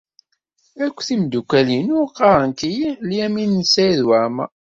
Akk timeddukal-inu ɣɣarent-iyi Lyamin n Saɛid Waɛmeṛ.